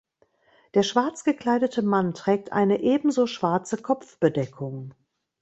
Der schwarz gekleidete Mann trägt eine ebenso schwarze Kopfbedeckung.